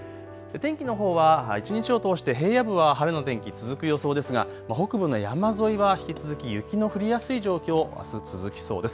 天気のほうは一日を通して平野部は晴れの天気、続く予想ですが北部の山沿いは引き続き雪の降りやすい状況、あす続きそうです。